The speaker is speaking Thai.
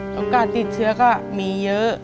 แล้วก็ติดเชื้อก็มีเยอะ